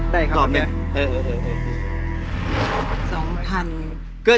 ได้ครับค่ะเดี๋ยวตอนนี้เออเออเออเออ